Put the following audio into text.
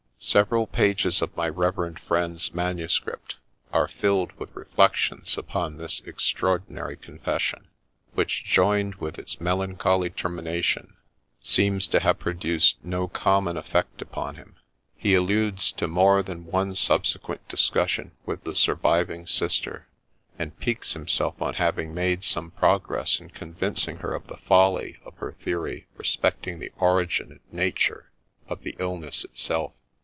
Several pages of my reverend friend's manuscript are filled with re flections upon this extraordinary confession, which, joined with its melancholy termination, seems to have produced no common 126 SINGULAR PASSAGE IN THE LIFE OF effect upon him. He alludes to more than one subsequent dis cussion with the surviving sister, and piques himself on having made some progress in convincing her of the folly of her theory respecting the origin and nature of the illness itself.